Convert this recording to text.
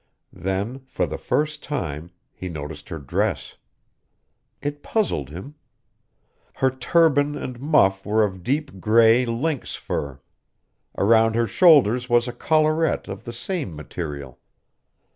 Then, for the first time, he noticed her dress. It puzzled him. Her turban and muff were of deep gray lynx fur. Around her shoulders was a collarette of the same material.